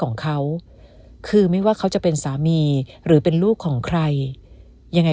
ของเขาคือไม่ว่าเขาจะเป็นสามีหรือเป็นลูกของใครยังไง